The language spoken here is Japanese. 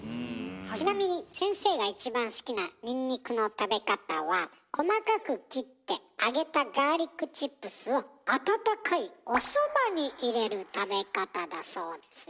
ちなみに先生が一番好きなニンニクの食べ方は細かく切って揚げたガーリックチップスを温かいおそばに入れる食べ方だそうですよ。